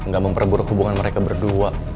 gak memperburuk hubungan mereka berdua